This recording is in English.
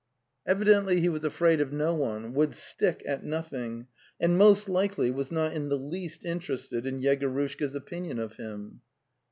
Evidently he was afraid of no one, would stick at nothing, and most likely was not in the least interested in Yego rushka's opinion of him.